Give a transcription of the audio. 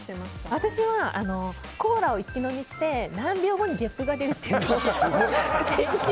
私は、コーラを一気飲みして何秒後にげっぷが出るかを。